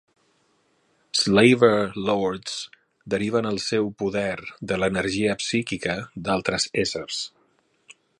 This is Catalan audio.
"Slaver Lords" deriven el seu poder de l'energia psíquica d'altres essers.